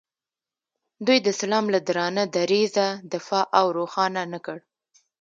دوی د اسلام له درانه دریځه دفاع او روښانه نه کړ.